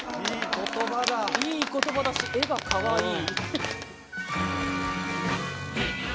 いい言葉だし絵がかわいい。